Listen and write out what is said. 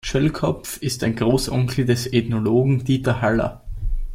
Schöllkopf ist ein Großonkel des Ethnologen Dieter Haller.